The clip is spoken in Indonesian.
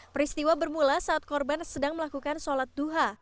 peristiwa bermula saat korban sedang melakukan sholat duha